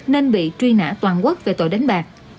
nên bị truy nã toàn quốc về tội đánh bạc